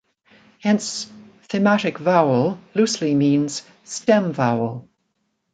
Hence, "thematic vowel" loosely means "stem vowel".